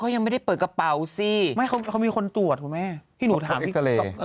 เขายังไม่ได้เปิดกระเป๋าสิไม่เขาเขามีคนตรวจถูกไหมที่หนูถามเออ